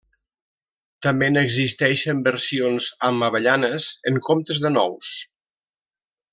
També n'existeixen versions amb avellanes en comptes de nous.